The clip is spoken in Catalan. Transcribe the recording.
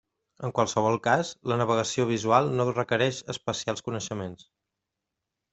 En qualsevol cas, la navegació visual no requereix especials coneixements.